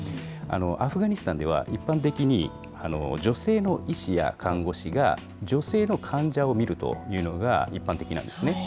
アフガニスタンでは、一般的に女性の医師や看護師が女性の患者を診るというのが、一般的なんですね。